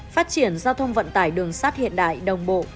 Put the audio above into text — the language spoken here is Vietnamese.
phát triển giao thông vận tải đường sắt hiện đại đồng bộ